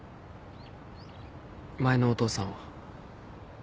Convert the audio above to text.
前のお父さんは？